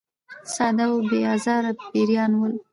ساده او بې آزاره پیران ول.